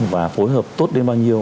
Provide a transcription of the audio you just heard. và phối hợp tốt đến bao nhiêu